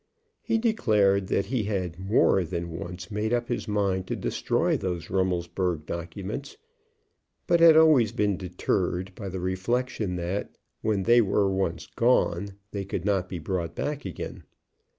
He declared that he had more than once made up his mind to destroy those Rummelsburg documents, but had always been deterred by the reflection that, when they were once gone, they could not be brought back again.